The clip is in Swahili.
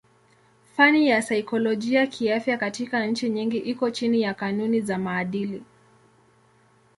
Fani ya saikolojia kiafya katika nchi nyingi iko chini ya kanuni za maadili.